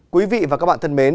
quý vị và các bạn thân mến